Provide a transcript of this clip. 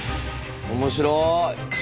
面白い。